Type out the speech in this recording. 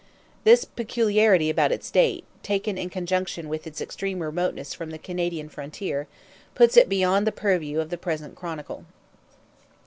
This peculiarity about its date, taken in conjunction with its extreme remoteness from the Canadian frontier, puts it beyond the purview of the present chronicle.